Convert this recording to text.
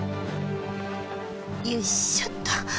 よいしょっと。